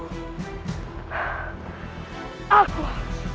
mencuri makanan ini